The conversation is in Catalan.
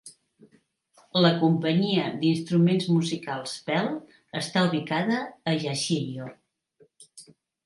La companyia d'instruments musicals Pearl està ubicada a Yachiyo.